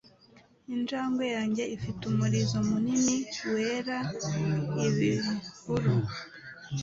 Injangwe yanjye ifite umurizo munini, wera, ibihuru.